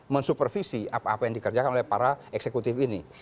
mensupervisi apa apa yang dikerjakan oleh para eksekutif ini